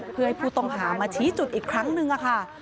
เพื่อให้ผู้ต้องหามาชี้จุดอีกครั้งนึงค่ะ